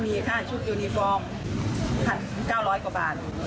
มีค่าชุดยูนิฟอร์ม๑๙๐๐กว่าบาท